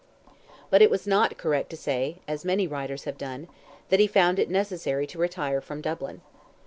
But it was not correct to say, as many writers have done, that he found it necessary to retire from Dublin.